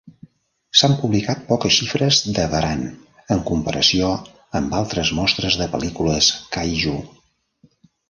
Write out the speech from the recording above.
S'han publicat poques xifres de Varan en comparació amb altres mostres de pel·lícules kaiju.